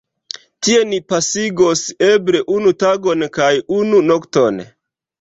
Tie ni pasigos eble unu tagon kaj unu nokton.